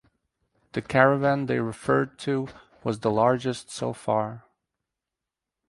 The caravan they referred to was the largest so far.